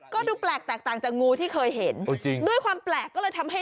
ก็ดูแปลกแตกต่างจากงูที่เคยเห็นด้วยความแปลกก็เลยทำให้